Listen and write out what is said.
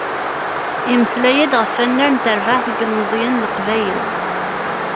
Yemmeslay-d ɣef wannar n terbeɛt n yilmeẓyen n Leqbayel.